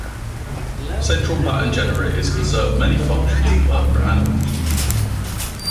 Central pattern generators can serve many functions in vertebrate animals.